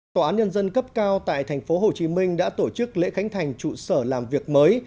tòa án nhân dân cấp cao tại tp hcm đã tổ chức lễ khánh thành trụ sở làm việc mới